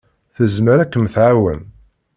Tezmer ad kem-tɛawen.